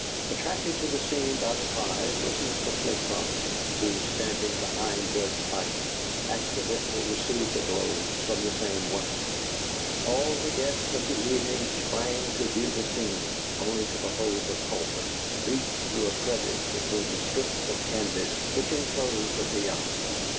Attracted to the scene by the cries of Mr. Flitcroft, who, standing behind Judge Pike, accidentally received a blow from the same weapon, all the guests of the evening sprang to view the scene, only to behold the culprit leap through a crevice between the strips of canvas which enclosed the piazza.